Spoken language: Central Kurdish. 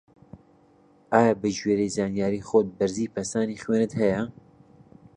ئایا بە گوێرەی زانیاری خۆت بەرزی پەستانی خوێنت هەیە؟